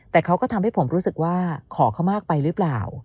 แต่เขาก็ทำให้ผมรู้สึกว่าขอเขามากไปหรือเปล่า